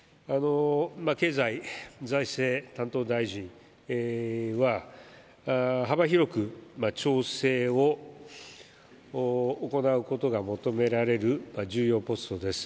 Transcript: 経済財政担当大臣は、幅広く調整を行うことが求められる重要ポストです。